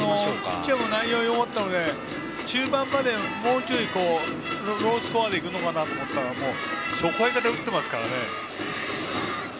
ピッチャーも内容がよかったので中盤まで結構、ロースコアで行くのかなと思ったんですけど初回から打ってますからね。